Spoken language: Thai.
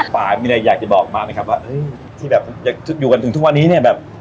ป่ามีอะไรอยากจะบอกบ้างไหมครับว่าที่แบบอยู่กันถึงทุกวันนี้เนี่ยแบบ